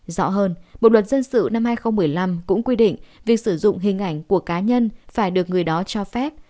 rõ hơn bộ luật dân sự năm hai nghìn một mươi năm cũng quy định việc sử dụng hình ảnh của cá nhân phải được người đó cho phép